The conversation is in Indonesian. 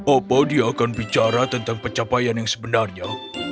opo dia akan bicara tentang pencapaian yang sebenarnya